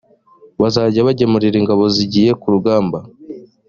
bazajya bagemurira ingabo zigiye kurugamba.